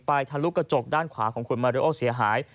ทะลุกระจกด้านขวาของคุณมาริโอเสียหาย